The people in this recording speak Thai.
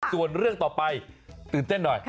ส่วนเรื่องต่อไปตื่นเต้นหน่อย